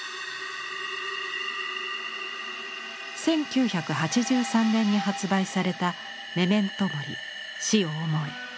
１９８３年に発売された「メメント・モリ死を想え」。